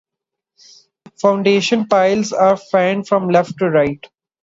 Foundation piles are fanned from left to right.